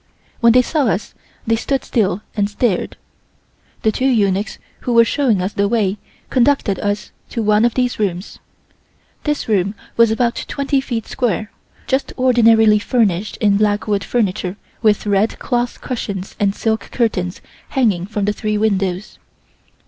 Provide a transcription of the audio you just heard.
When they saw us they stood still and stared. The two eunuchs who were showing us the way conducted us to one of these rooms. This room was about twenty feet square, just ordinarily furnished in black wood furniture with red cloth cushions and silk curtains hanging from the three windows.